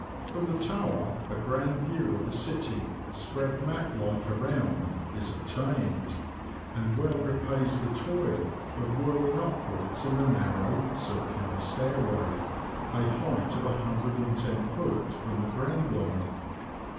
From the tower a grand view of the city, spread map like around, is obtained, and w^ell repays the toil of whirling upwards in the narrow, circular stairway, a height of i loft. from the ground line.